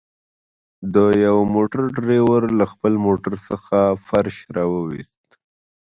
د يوه موټر ډريور له خپل موټر څخه فرش راوويست.